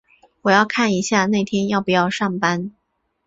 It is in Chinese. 我要看一下那天要不要上班。